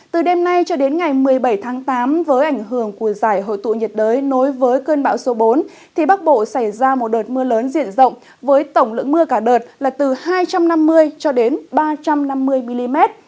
từ đêm nay cho đến ngày một mươi bảy tháng tám với ảnh hưởng của giải hội tụ nhiệt đới nối với cơn bão số bốn thì bắc bộ xảy ra một đợt mưa lớn diện rộng với tổng lượng mưa cả đợt là từ hai trăm năm mươi cho đến ba trăm năm mươi mm